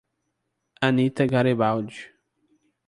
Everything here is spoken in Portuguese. Anita Garibaldi